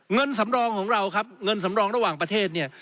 เงินสำรองของเราครับเงินสำรองระหว่างประเทศเนี่ย